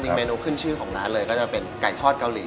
เมนูขึ้นชื่อของร้านเลยก็จะเป็นไก่ทอดเกาหลี